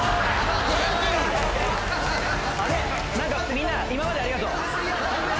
みんな今までありがとう。